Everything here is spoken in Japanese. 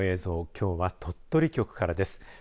きょうは鳥取局からです。